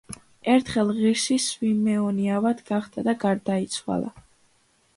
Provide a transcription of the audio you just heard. ერთხელ ღირსი სვიმეონი ავად გახდა და გარდაიცვალა.